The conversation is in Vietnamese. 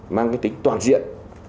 mang cái tính toàn diện